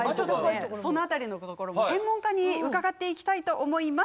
その当りも専門家に伺っていきたいと思います。